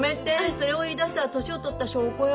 それを言い出したら年を取った証拠よ。